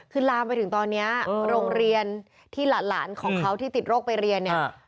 คือลามไปถึงตอนนี้โรงเรียนที่หลานของเขาที่ติดโรคไปเรียนเนี่ย